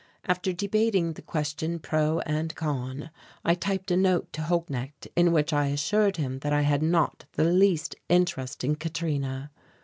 After debating the question pro and con I typed a note to Holknecht in which I assured him that I had not the least interest in Katrina.